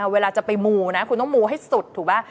เวลาจะไปมูนะคุณต้องมูให้สุดถูกป่ะ